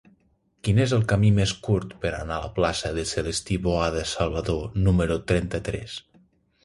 Quin és el camí més curt per anar a la plaça de Celestí Boada Salvador número trenta-tres?